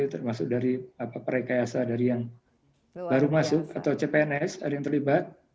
termasuk dari perekayasa dari yang baru masuk atau cpns ada yang terlibat